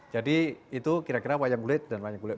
jadi itu kira kira wayang kulit dan wayang kulit